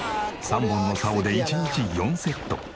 ３本の竿で１日４セット。